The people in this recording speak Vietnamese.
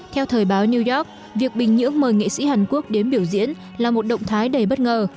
theo thời báo new york việc bình nhưỡng mời nghệ sĩ hàn quốc đến biểu diễn là một động thái đầy bất ngờ